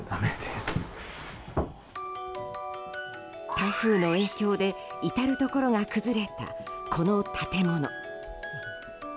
台風の影響で、至るところが崩れたこの建物。